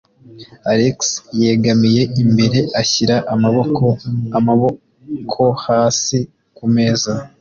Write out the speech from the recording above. Alex yegamiye imbere ashyira amaboko, amaboko hasi, ku meza.